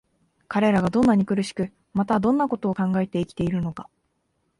彼等がどんなに苦しく、またどんな事を考えて生きているのか、